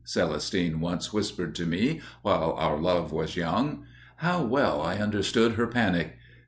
Celestine once whispered to me while our love was young. How well I understood her panic!